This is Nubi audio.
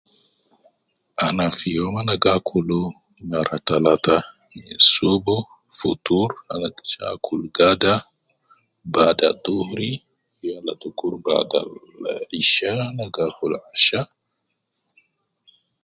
Ana fi youm ana gi akulu mara talata ,minsubu future ana endis te akul gada bada dhuhuri yala dukur bada isha ana gi akul asha